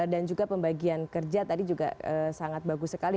dan juga pembagian kerja tadi juga sangat bagus sekali